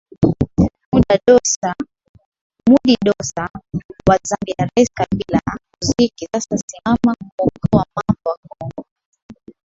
mudi dosa wa zambia rais kabila muziki sasa simama kumuokoa mama wa congo